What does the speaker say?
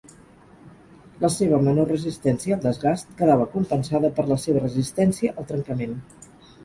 La seva menor resistència al desgast quedava compensada per la seva resistència al trencament.